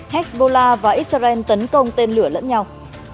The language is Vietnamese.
hexbola và israel tấn công tên lửa lẫn nhau